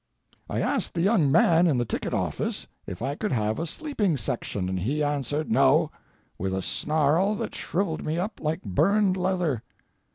I asked the young man in the ticket office if I could have a sleeping section, and he answered "No," with a snarl that shrivelled me up like burned leather.